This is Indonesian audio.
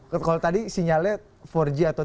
kalau tadi sinyalnya empat g atau tiga g belum dicari jawab